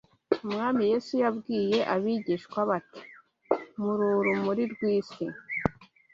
Umwami Yesu yabwiye abigishwa be ati: “Muri urumuri rw’isi.